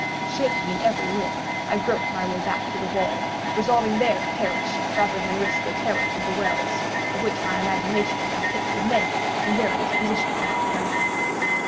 Shaking in every limb, I groped my way back to the wall—resolving there to perish rather than risk the terrors of the wells, of which my imagination now pictured many in various positions about the dungeon.